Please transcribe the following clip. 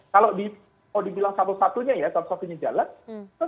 kalau di bilang satu satunya ya satu satunya jalan